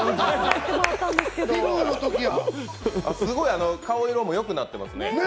すごい顔色もよくなっていますね。